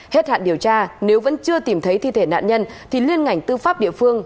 hết hạn điều tra nếu vẫn chưa tìm thấy thi thể nạn nhân thì liên ngành tư pháp địa phương